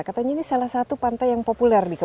katanya ini salah satu pantai yang populer